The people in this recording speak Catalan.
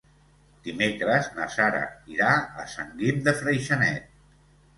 Dimecres na Sara irà a Sant Guim de Freixenet.